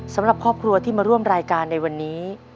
สำหรับครอบครัวที่มาร่วมรายการในวันนี้